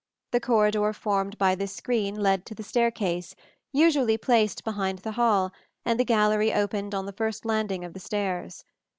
The corridor formed by this screen led to the staircase, usually placed behind the hall, and the gallery opened on the first landing of the stairs.